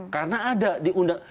karena ada diundang